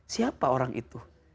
siapa orang itu